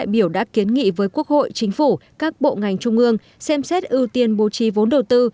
biểu đã kiến nghị với quốc hội chính phủ các bộ ngành trung ương xem xét ưu tiên bố trí vốn đầu tư